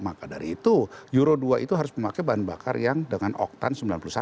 maka dari itu euro dua itu harus memakai bahan bakar yang dengan oktan sembilan puluh satu